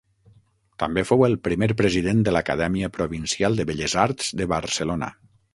També fou el primer president de l'Acadèmia Provincial de Belles Arts de Barcelona.